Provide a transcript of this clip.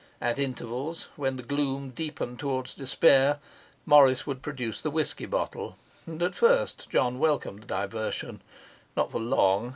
At intervals, when the gloom deepened toward despair, Morris would produce the whisky bottle, and at first John welcomed the diversion not for long.